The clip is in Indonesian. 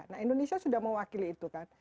nah indonesia sudah mewakili itu kan